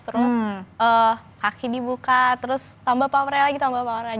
terus kaki dibuka terus tambah powernya lagi tambah powernya lagi